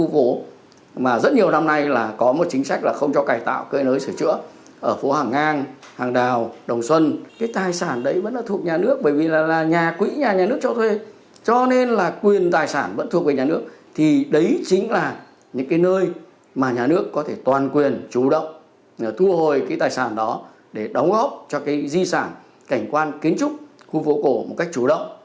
vậy là những cái nơi mà nhà nước có thể toàn quyền chủ động thu hồi cái tài sản đó để đóng góp cho cái di sản cảnh quan kiến trúc khu phố cổ một cách chủ động